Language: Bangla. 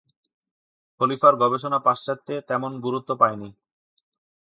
খলিফার গবেষণা পাশ্চাত্যে তেমন গুরুত্ব পায়নি।